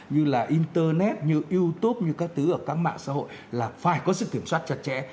như là internet như youtube như các thứ ở các mạng xã hội là phải có sự kiểm soát chặt chẽ